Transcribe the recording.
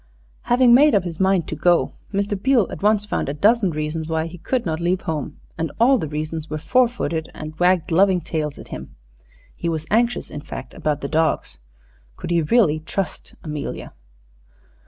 Having made up his mind to go, Mr. Beale at once found a dozen reasons why he could not leave home, and all the reasons were four footed, and wagged loving tails at him. He was anxious, in fact, about the dogs. Could he really trust Amelia?